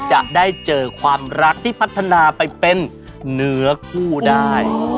จะได้เจอความรักที่พัฒนาไปเป็นเนื้อคู่ได้